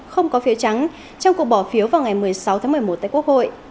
không có phiếu trắng trong cuộc bỏ phiếu vào ngày một mươi sáu tháng một mươi một tại quốc hội